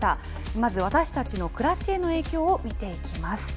まず私たちの暮らしへの影響を見ていきます。